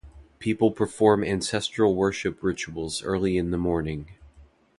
People perform ancestral worship rituals early in the morning.